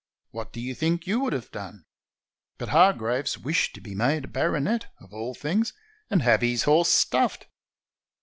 What do you think you would have done? But Hargraves wished to be made a baronet, of all things, and have his horse stuffed